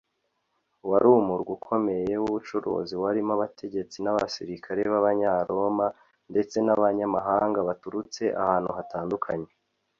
wari umurwa ukomeye w’ubucuruzi, warimo abategetsi n’abasirikari b’abanyaroma ndetse n’abanyamahanga baturutse ahantu hatandukanye